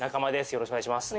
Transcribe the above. よろしくお願いします